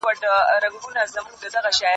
تاریخي شعور له موږ سره په پلټنه کي مرسته کوي.